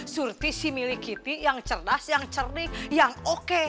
surti si milik giti yang cerdas yang cerdik yang oke